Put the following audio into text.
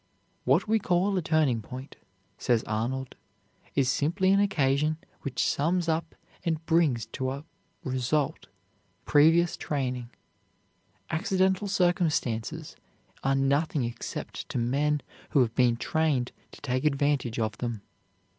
"What we call a turning point," says Arnold, "is simply an occasion which sums up and brings to a result previous training. Accidental circumstances are nothing except to men who have been trained to take advantage of them."